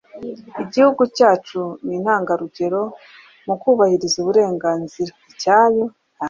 Igihugu cyacu ni intangarugero mu kubahiriza uburinganire. Icyanyu